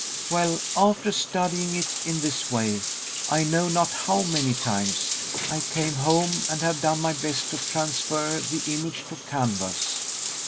Well; after studying it in this way, I know not how many times, I came home, and have done my best to transfer the image to canvas."